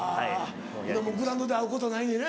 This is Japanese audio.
もうグラウンドで会うことないねんね？